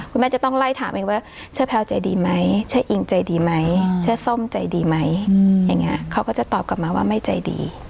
คุณแม่จะต้องไล่ถามเองว่าเชื้อแพลวใจดีไหมชื่ออิงใจดีไหมเสื้อส้มใจดีไหมอย่างนี้เขาก็จะตอบกลับมาว่าไม่ใจดี